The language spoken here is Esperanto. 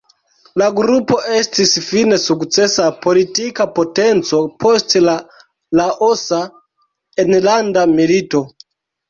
La grupo estis fine sukcesa politika potenco post la Laosa Enlanda Milito.